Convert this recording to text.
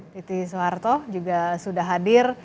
titi soeharto juga sudah hadir